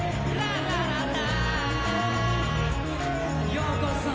「ようこそ」